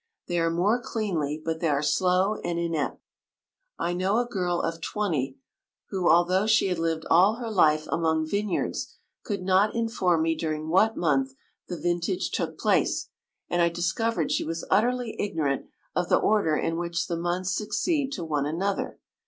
They are more cleanly, but they are slow and inapt. I know a girl of twenty, who although she had lived all her life a mong vineyards, could not inform me during what month the vintage took place, and I discovered she was utterly ignorant of the order in which the months succeed to one another.